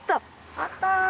あった！